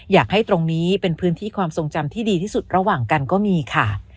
อยากให้ตรงนี้เป็นพื้นที่ความทรงจำที่ดีที่สุดระหว่างกันก็มีค่ะ